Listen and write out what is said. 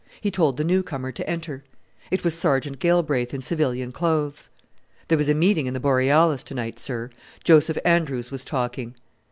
He told the new comer to enter. It was Sergeant Galbraith in civilian clothes. "There was a meeting in the Borealis, to night, sir. Joseph Andrews was talking."